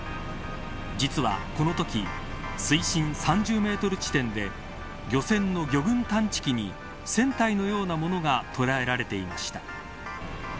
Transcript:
実は、このとき水深３０メートル地点で漁船の魚群探知機に船体のようなものが捉えられていました。